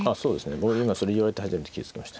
僕も今それ言われて初めて気付きました。